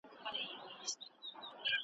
کله دي زړه ته دا هم تیریږي؟ .